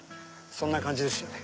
そんな感じですよね。